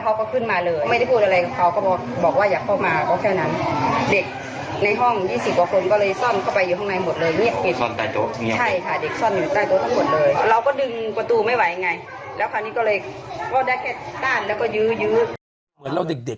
เหมือนเราเด็กอ่ะ